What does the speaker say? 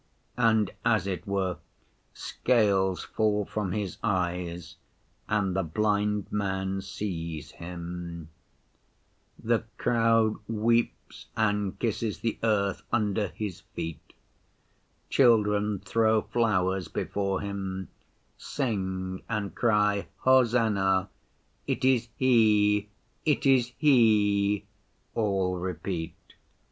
and, as it were, scales fall from his eyes and the blind man sees Him. The crowd weeps and kisses the earth under His feet. Children throw flowers before Him, sing, and cry hosannah. 'It is He—it is He!' all repeat.